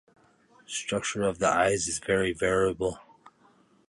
Structure of the eyes is very variable.